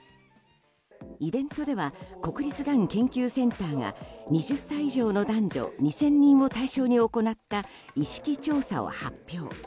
イベントでは国立がん研究センターが２０歳以上の男女２０００人を対象に行った意識調査を発表。